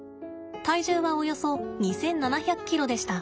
体重はおよそ２，７００ｋｇでした。